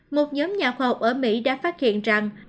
một nhóm nhà khoa học ở mỹ đã phát hiện rằng